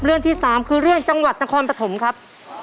เรื่องที่๓คือเรื่องจังหวัดนครปฐมครับ